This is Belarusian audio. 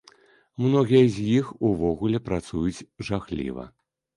Многія з іх увогуле працуюць жахліва.